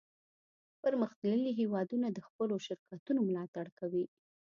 پرمختللي هیوادونه د خپلو شرکتونو ملاتړ کوي